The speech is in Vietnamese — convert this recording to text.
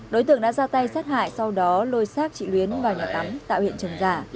đối tượng đã ra tay sát hại sau đó lôi xác chị luyến vào nhà tắm tạo hiện trầm giả